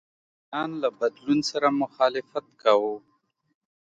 واکمنان له بدلون سره مخالفت کاوه.